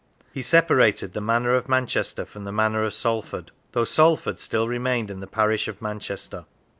He separated the manor of Manchester from the manor of Salford, though Salford still remained in the parish of Manchester.